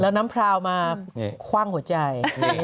แล้วน้ำพราวมาคว่างหัวใจ